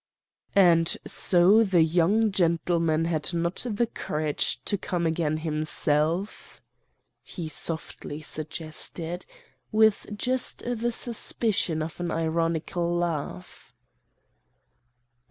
"'And so the young gentleman had not the courage to come again himself?' he softly suggested, with just the suspicion of an ironical laugh.